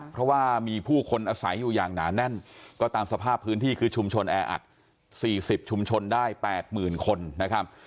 เพราะว่ามีผู้คนอาศัยอยู่อย่างหนาแน่นก็ตามสภาพพื้นที่คือชุมชนแออัด๔๐ชุมชนได้๘๐๐๐คนนะครับ